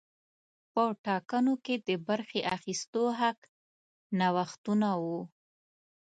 په ټاکنو کې د برخې اخیستو حق نوښتونه وو.